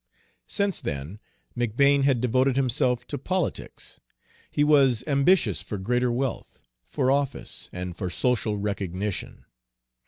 Since then McBane had devoted himself to politics: he was ambitious for greater wealth, for office, and for social recognition.